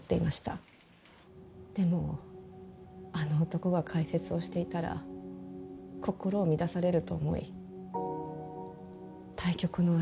でもあの男が解説をしていたら心を乱されると思い対局の朝。